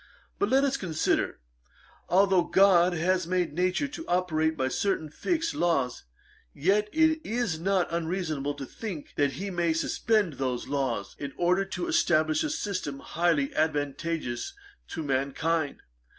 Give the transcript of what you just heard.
But let us consider; although GOD has made Nature to operate by certain fixed laws, yet it is not unreasonable to think that he may suspend those laws, in order to establish a system highly advantageous to mankind.